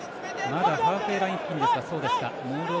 ハーフウェーライン付近ですが、そうですか。